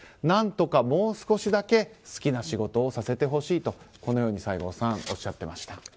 何とかもう少しだけ好きな仕事をさせてほしいと西郷さんはおっしゃっていました。